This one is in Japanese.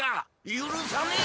ゆるさねえ！